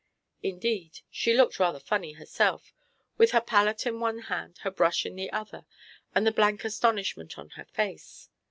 Indeed, she looked rather funny herself, with her palette in one hand, her brush in the other, and the blank astonishment on her face.